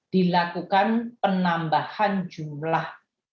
dilakukan penambahan jumlah